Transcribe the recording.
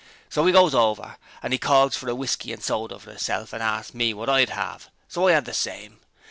So we goes hover, an' 'e calls for a w'iskey an' soda for isself an' arsts me wot I'd 'ave, so I 'ad the same.